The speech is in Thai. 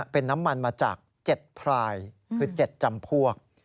เป็นน้ำมันมาจาก๗พรายคือ๗จำพวก